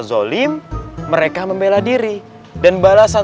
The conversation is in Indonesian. zulim mereka membela diri dan